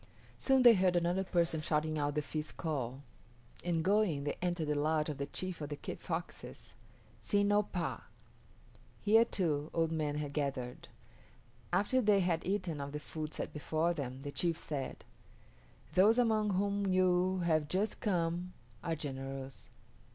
Soon they heard another person shouting out the feast call, and, going, they entered the lodge of the chief of the Kit Foxes (S[)i]n´ o pah). Here, too, old men had gathered. After they had eaten of the food set before them, the chief said, "Those among whom you have just come are generous.